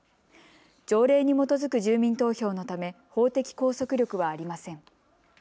条例に基づく住民投票のため法的拘束力はありません。